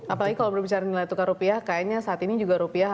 apalagi kalau berbicara nilai tukar rupiah kayaknya saat ini juga rupiah